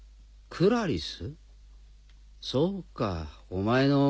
クラリス。